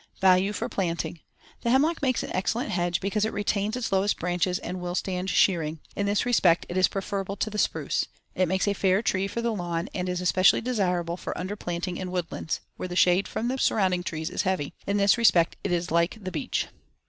Value for planting: The hemlock makes an excellent hedge because it retains its lowest branches and will stand shearing. In this respect it is preferable to the spruce. It makes a fair tree for the lawn and is especially desirable for underplanting in woodlands, where the shade from the surrounding trees is heavy. In this respect it is like the beech.